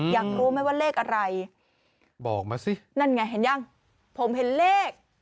อยากรู้ไหมว่าเลขอะไรบอกมาสินั่นไงเห็นยังผมเห็นเลข